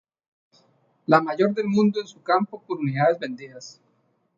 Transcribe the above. La mayor del mundo en su campo por unidades vendidas.